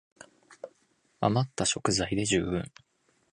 あまった食材で充分